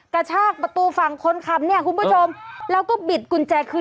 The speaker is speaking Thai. กระชากประตูฝั่งคนขับเนี่ยคุณผู้ชมแล้วก็บิดกุญแจคืน